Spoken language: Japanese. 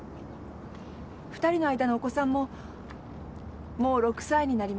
２人の間のお子さんももう６歳になります。